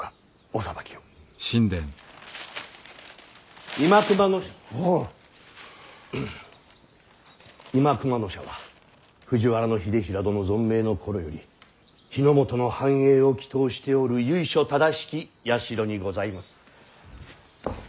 新熊野社は藤原秀衡殿存命の頃より日本の繁栄を祈とうしておる由緒正しき社にございます。